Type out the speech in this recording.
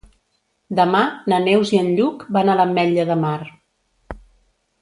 Demà na Neus i en Lluc van a l'Ametlla de Mar.